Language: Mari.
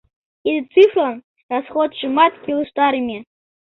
Тиде цифрлан расходшымат келыштарыме.